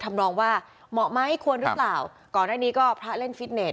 ทำนองว่าเหมาะไหมควรหรือเปล่าก่อนหน้านี้ก็พระเล่นฟิตเนส